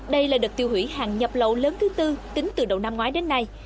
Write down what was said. đây là đợt tiêu hủy hàng nhập lậu lớn thứ tư tính từ đầu năm ngoái đến nay